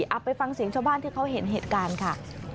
เอาไปฟังเสียงชาวบ้านที่เขาเห็นเหตุการณ์ค่ะ